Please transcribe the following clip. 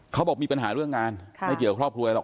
เขาบอกมีปัญหาเรื่องงานไม่เกี่ยวกับครอบครัวหรอก